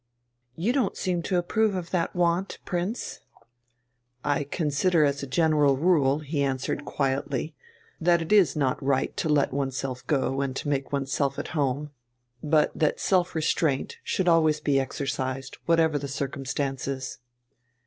"You don't seem to approve of that want, Prince." "I consider as a general rule," he answered quietly, "that it is not right to let oneself go and to make oneself at home, but that self restraint should always be exercised, whatever the circumstances."